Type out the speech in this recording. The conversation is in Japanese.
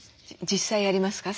実際ありますか？